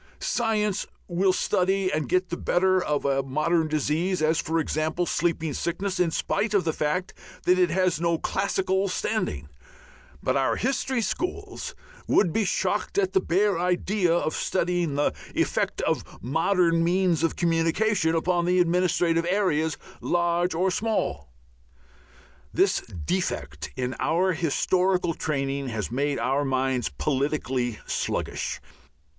Science will study and get the better of a modern disease, as, for example, sleeping sickness, in spite of the fact that it has no classical standing; but our history schools would be shocked at the bare idea of studying the effect of modern means of communication upon administrative areas, large or small. This defect in our historical training has made our minds politically sluggish.